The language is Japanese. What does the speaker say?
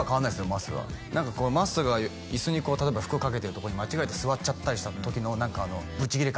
まっすーはまっすーがイスに例えば服をかけてるとこに間違えて座っちゃったりした時の何かあのブチギレ感